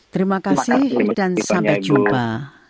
terima kasih dan sampai jumpa